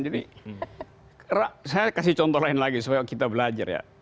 jadi saya kasih contoh lain lagi supaya kita belajar ya